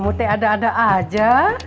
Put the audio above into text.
kamu teh ada ada aja